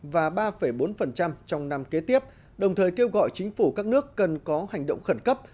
và ba bốn trong năm kế tiếp đồng thời kêu gọi chính phủ các nước cần có hành động khẩn cấp